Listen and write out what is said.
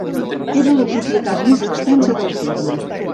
Era la propietat més extensa del terme.